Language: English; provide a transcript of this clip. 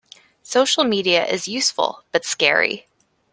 Social media is useful, but scary.